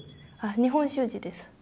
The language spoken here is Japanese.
日本習字です。